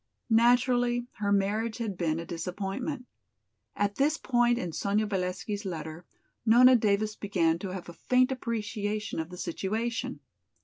Naturally her marriage had been a disappointment. At this point in Sonya Valesky's letter, Nona Davis began to have a faint appreciation of the situation.